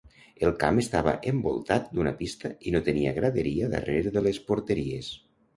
El camp estava envoltat d'una pista i no tenia graderia darrere de les porteries.